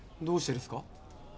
どうしてですか？